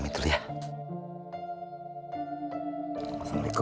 makasih ya allah